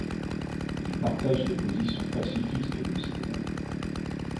Il partage les positions pacifistes de ces groupes.